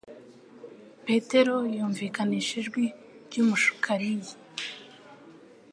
Petero yumvikanisha ijwi ry'umushukariyi.